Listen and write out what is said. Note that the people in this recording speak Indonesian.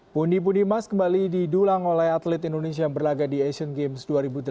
pundi pundi emas kembali didulang oleh atlet indonesia yang berlagak di asian games dua ribu delapan belas